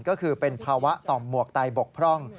ก็คือเป็นภาวะต่อหมวกไตบกพร่อง